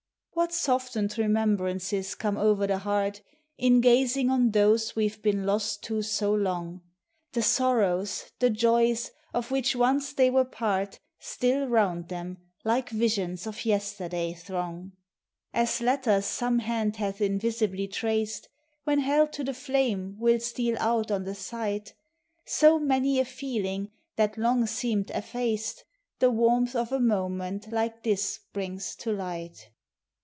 What softened remembrances come o'er the heart, In gazing on those we 've been lost to so long! The sorrows, the joys, of which once they were I>art, Still round them, like visions of yesterday, throng; As letters some hand hath invisibly traced. When held to the tlame will steal out on the sight, So many a feeling, that long seemed effaced, The warmth of a moment like this brings to light.